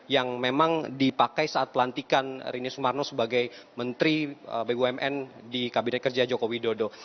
yang memang dipakai saat pelantikan rini sumarno sebagai menteri bumn di kabinet kerja joko widodo